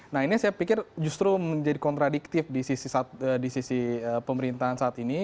nah ini saya pikir justru menjadi kontradiktif di sisi pemerintahan saat ini